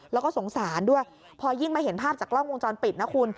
แล้วก็สงสารด้วยพอยิ่งมาเห็นภาพจากกล้องวงจรปิดนะคุณ